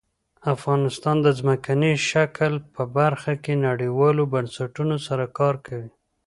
افغانستان د ځمکنی شکل په برخه کې نړیوالو بنسټونو سره کار کوي.